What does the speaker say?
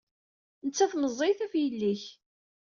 Nettat meẓẓiyet ɣef yelli-k!